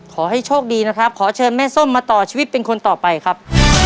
ขอให้โชคดีนะครับขอเชิญแม่ส้มมาต่อชีวิตเป็นคนต่อไปครับ